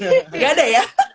nggak ada ya